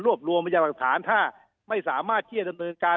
รวมรวมพยาหลักฐานถ้าไม่สามารถที่จะดำเนินการ